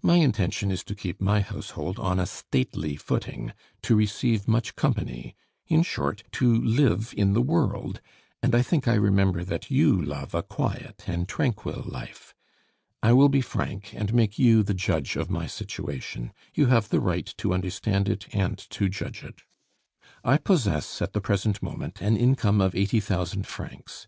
My intention is to keep my household on a stately footing, to receive much company, in short, to live in the world; and I think I remember that you love a quiet and tranquil life. I will be frank, and make you the judge of my situation; you have the right to understand it and to judge it. I possess at the present moment an income of eighty thousand francs.